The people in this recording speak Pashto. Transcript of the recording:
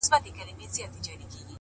گراني په تا باندي چا كوډي كړي.